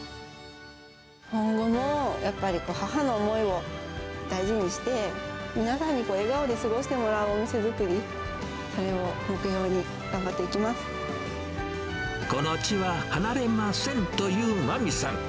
今後もやっぱり母の思いを大事にして、皆さんに笑顔で過ごしてもらうお店作り、それを目標に頑張っていこの地は離れませんという真美さん。